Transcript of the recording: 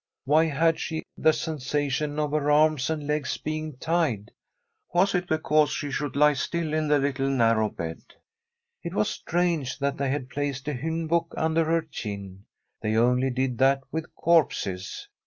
Why had she the sen sation of her arms and legs being tied? Was it because she should lie still in the little narrow bed? It was strange that they had placed a hymn book under her chin ; they only did that with corpses.